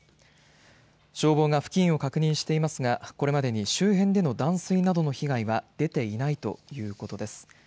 消防が付近を確認していますがこれまでに周辺での断水などの被害は出ていないということです。